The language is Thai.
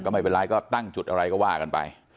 ไม่เป็นไรก็ตั้งจุดอะไรก็ว่ากันไป